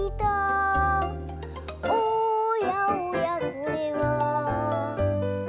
「おやおやこれは」